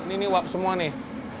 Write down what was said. ini uap semua nih